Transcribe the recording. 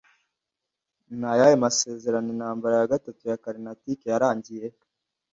Ni ayahe masezerano Intambara ya gatatu ya Karnatike yarangiye